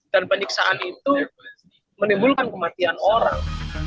dan penyiksaan itu menimbulkan kematian orang